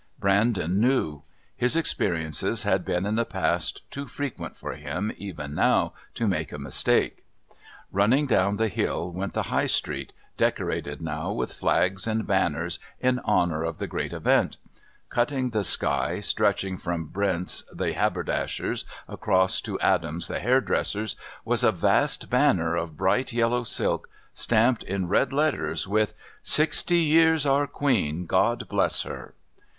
Brandon knew; his experiences had been in the past too frequent for him, even now, to make a mistake. Running down the hill went the High Street, decorated now with flags and banners in honour of the great event; cutting the sky, stretching from Brent's the haberdasher's across to Adams' the hairdresser's, was a vast banner of bright yellow silk stamped in red letters with "Sixty Years Our Queen. God Bless Her!"